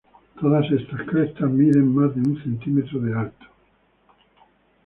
Todas estas crestas miden más de un centímetro de alto.